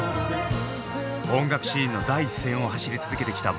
音楽シーンの第一線を走り続けてきた